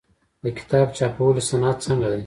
د کتاب چاپولو صنعت څنګه دی؟